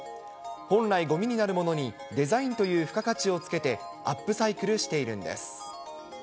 本来、ごみになるものにデザインという付加価値をつけて、アップサイクルしているんです。